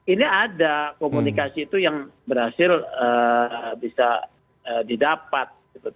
ini ada komunikasi itu yang berhasil bisa didapat